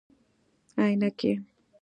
👓 عینکي